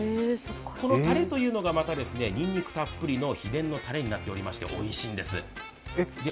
このたれというのが、またにんにくたっぷりの秘伝のたれとなっていておいしいんです。